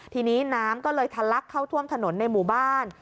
ทีนี้น้ำก็เลยทะลักเข้าท่วมถนนในหมู่บ้าน